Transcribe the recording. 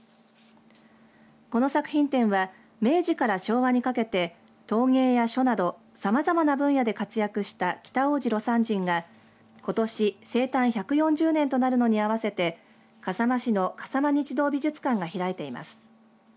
この作品展は明治から昭和にかけて陶芸や書などさまざまな分野で活躍した北大路魯山人がことし生誕１４０年となるのに合わせて笠間市の笠間日動美術館が開いています。